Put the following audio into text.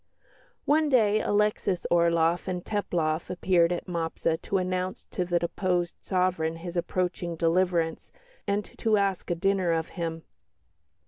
One day Alexis Orloff and Teplof appeared at Mopsa to announce to the deposed sovereign his approaching deliverance and to ask a dinner of him.